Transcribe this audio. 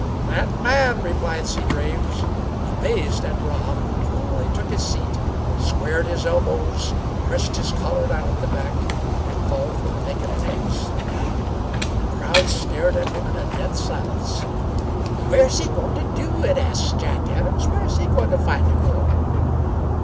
"That man," replied Seagraves, amazed at Rob, who coolly took his seat, squared his elbows, pressed his collar down at the back, and called for the bacon and eggs. The crowd stared at him in a dead silence. "Where's he going to do it?" asked Jack Adams. "Where's he going to find a girl?"